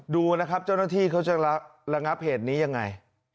ดูนะครับเจ้าหน้าที่เขาจะระงับเหตุนี้ยังไง